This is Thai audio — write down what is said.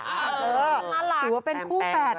เออน่ารักแปมเลยหรือว่าเป็นคู่แปด